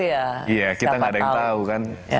iya kita nggak ada yang tahu kan